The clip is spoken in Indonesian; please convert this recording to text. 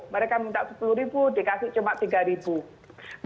mereka minta rp sepuluh dikasih cuma rp tiga